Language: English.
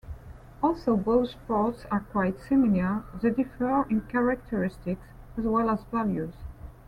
Although both sports are quite similar, they differ in characteristics as well as values.